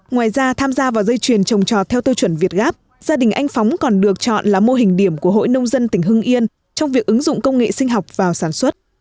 ngoài ra tham gia vào dây chuyền trồng trò theo tiêu chuẩn việt gáp gia đình anh phóng còn được chọn là mô hình điểm của hội nông dân tỉnh hưng yên trong việc ứng dụng công nghệ sinh học vào sản xuất